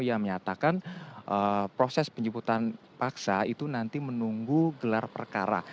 yang menyatakan proses penjemputan paksa itu nanti menunggu gelar perkara